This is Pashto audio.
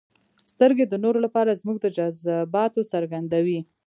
• سترګې د نورو لپاره زموږ د جذباتو څرګندوي.